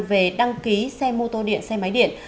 về đăng ký xe mô tô điện xe máy điện